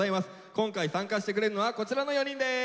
今回参加してくれるのはこちらの４人です。